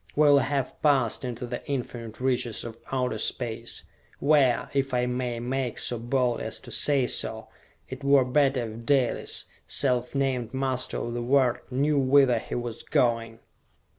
We will have passed into the infinite reaches of Outer Space, where, if I may make so bold as to say so, it were better if Dalis, self named master of the world, knew whither he was going!"